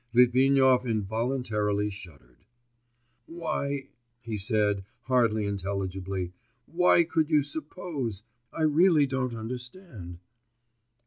Litvinov involuntarily shuddered. 'Why?' ... he said, hardly intelligibly, 'why could you suppose?... I really don't understand....